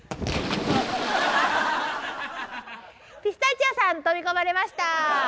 ピスタチオさん飛び込まれました。